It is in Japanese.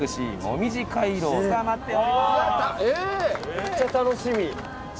めっちゃ楽しみ！